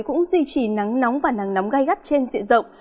cũng duy trì nắng nóng và nắng nóng gai gắt trên diện rộng